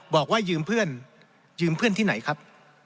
บอกว่ายืมเพื่อนยืมเพื่อนที่ไหนครับ